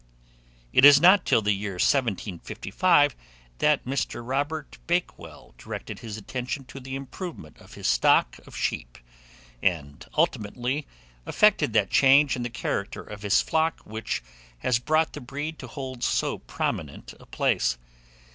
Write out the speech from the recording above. It was not till the year 1755 that Mr. Robert Bakewell directed his attention to the improvement of his stock of sheep, and ultimately effected that change in the character of his flock which has brought the breed to hold so prominent a place.